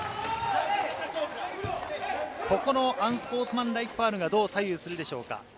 ここのアンスポーツマンライクファウルがどう左右するでしょうか。